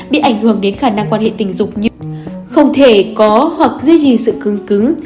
bị ảnh hưởng đến khả năng quan hệ tình dục như không thể có hoặc duy trì sự cương cứng